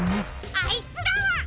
あいつらは！